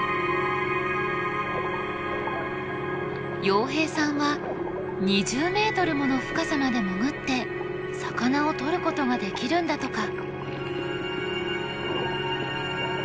洋平さんは２０ｍもの深さまで潜って魚をとることができるんだとか。